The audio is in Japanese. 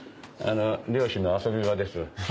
漁師の遊び場です。